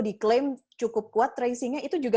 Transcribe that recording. diklaim cukup kuat tracingnya itu juga